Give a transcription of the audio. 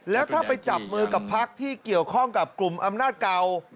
แล้วถ้าไปจับมือกับพักที่เกี่ยวข้องกับกลุ่มอำนาจเก่า